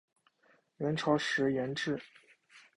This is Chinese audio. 元朝时沿置。